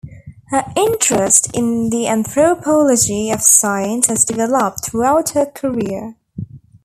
Her interest in the anthropology of science has developed throughout her career.